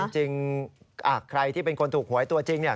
จริงใครที่เป็นคนถูกหวยตัวจริงเนี่ย